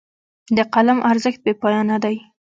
د قلم ارزښت بې پایانه دی.